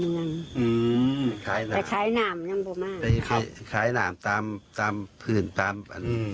ลูกชายไปขาไปในเมืองอืมขายหนามขายหนามตามตามผืนตามอืม